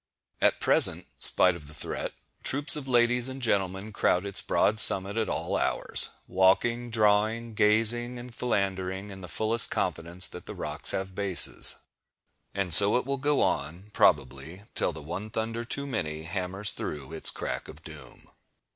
At present, spite of the threat, troops of ladies and gentlemen crowd its broad summit at all hours, walking, drawing, gazing, and philandering, in the fullest confidence that rocks have bases. And so it will go on, probably, till the "one (thunder) too many" hammers through its crack of doom.